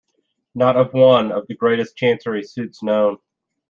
Not of one of the greatest Chancery suits known?